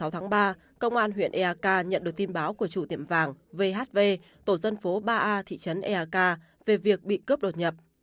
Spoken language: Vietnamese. hai mươi tháng ba công an huyện eak nhận được tin báo của chủ tiệm vàng vhv tổ dân phố ba a thị trấn eak về việc bị cướp đột nhập